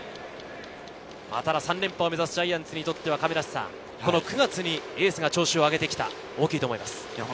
３連覇を目指すジャイアンツにとっては９月にエースが調子を上げて来たのは大きいと思います。